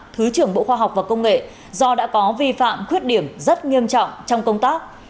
thứ trưởng bộ khoa học và công nghệ do đã có vi phạm khuyết điểm rất nghiêm trọng trong công tác